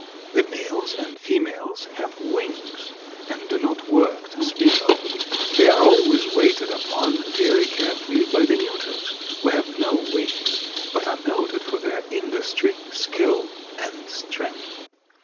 The males and females have wings and do no work to speak of. They are always waited upon very carefully by the neuters who have no wings, but are noted for their industry, skill, and strength.